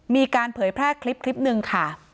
มีการเผยแพร่คลิปนึงค่ะ